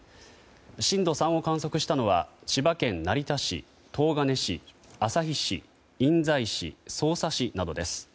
震度３を観測したのは千葉県成田市東金市、旭市印西市、匝瑳市などです。